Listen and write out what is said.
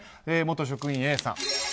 元職員Ａさん。